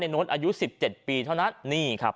ในน้นทอายุ๑๗ปีเท่านั้น